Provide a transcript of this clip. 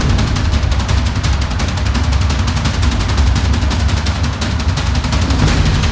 jajah jajah jajah